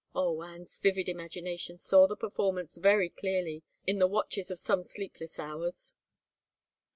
... Oh, Anne's vivid imagination saw the performance very clearly in the watches of some sleepless hours.